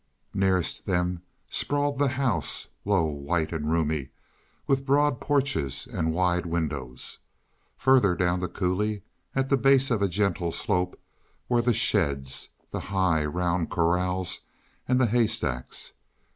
Nearest them sprawled the house, low, white and roomy, with broad porches and wide windows; further down the coulee, at the base of a gentle slope, were the sheds, the high, round corrals and the haystacks.